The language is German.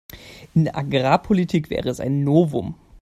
In der Agrarpolitik wäre es ein Novum.